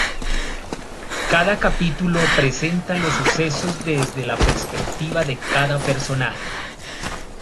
Cada capítulo presenta los sucesos desde la perspectiva de cada personaje.